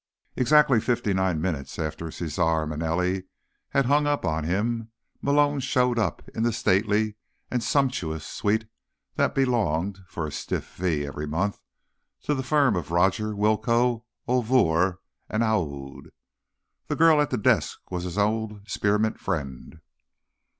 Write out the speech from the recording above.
Exactly fifty nine minutes after Cesare Manelli had hung up on him, Malone showed up in the stately and sumptuous suite that belonged, for a stiff fee every month, to the firm of Rodger, Willcoe, O'Vurr and Aoud. The girl at the desk was his old Spearmint friend.